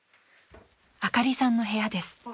［あかりさんの部屋です］